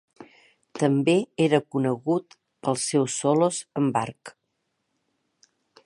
També era conegut pels seus solos amb arc.